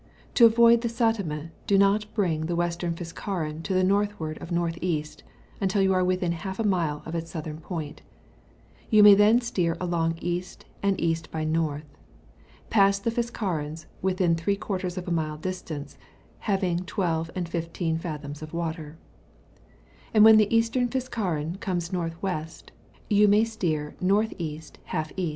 To avoid the Satima, do not bring the Western Fiskaren to the northward ofN.£. until you are within half a mile of its soulliem point; you may then steer along £. and £. by N., pass the Fiskarens within three quarters of a mile distance, having 12 and 15 fathoms water; and when the Eastern Fiskaren comes N.W.^ou may steer N.E. J E.